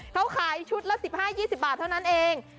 เขาขายชุดละสิบห้ายี่สิบบาทเท่านั้นเอง